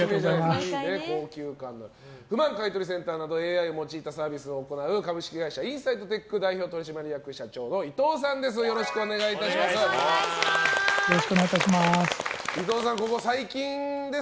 不満買取センターなどＡＩを用いたサービスを行う、株式会社ＩｎｓｉｇｈｔＴｅｃｈ代表取締役社長の伊藤さんです。